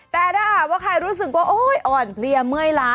แต่ถ้าใครรู้สึกว่าอ่อนเรียเมื่อยล้า